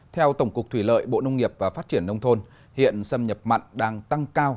theo tổng cục thủy lợi bộ nông nghiệp và phát triển nông thôn hiện xâm nhập mặn đang tăng cao